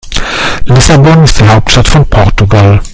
Lissabon ist die Hauptstadt von Portugal.